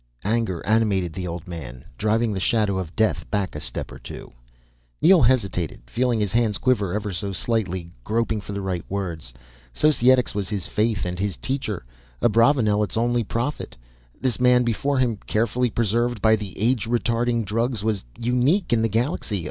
Anger animated the old man, driving the shadow of death back a step or two. Neel hesitated, feeling his hands quiver ever so slightly, groping for the right words. Societics was his faith, and his teacher, Abravanel, its only prophet. This man before him, carefully preserved by the age retarding drugs, was unique in the galaxy.